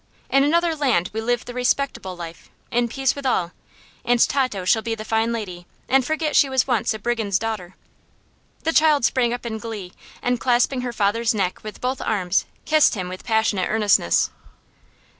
In another land we live the respectable life, in peace with all, and Tato shall be the fine lady, and forget she once was a brigand's daughter." The child sprang up in glee, and clasping her father's neck with both arms kissed him with passionate earnestness.